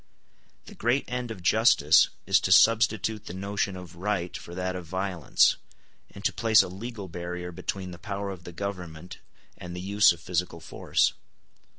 The great end of justice is to substitute the notion of right for that of violence, and to place a legal barrier between the power of the government and the use of physical force.